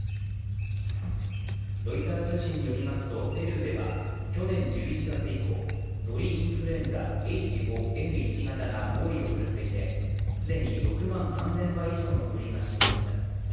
ロイター通信によりますと、ペルーでは去年１１月以降、鳥インフルエンザＨ５Ｎ１型が猛威を振るっていて、既に６万３０００羽以上の鳥が死にました。